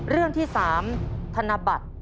เรื่องที่๓ธนบัตร